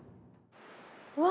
うわ！